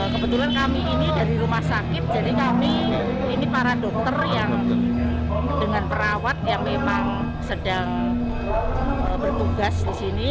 kebetulan kami ini dari rumah sakit jadi kami ini para dokter yang dengan perawat yang memang sedang bertugas di sini